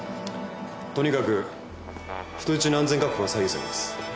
とにかく人質の安全確保が最優先です。